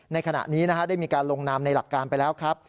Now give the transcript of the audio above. ในขณะนี้ได้มีการลงนามในหลักการไปแล้วครับ